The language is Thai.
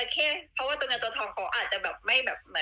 เขาคิดว่า